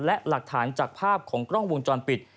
และหลักฐานจากภาพของกล้องวงจรปิด